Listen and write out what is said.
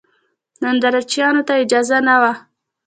نندارچیانو ته اجازه نه وه.